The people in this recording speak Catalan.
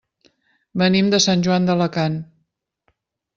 Venim de Sant Joan d'Alacant.